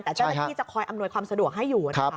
แต่เจ้าหน้าที่จะคอยอำนวยความสะดวกให้อยู่นะครับ